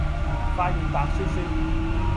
塊面白雪雪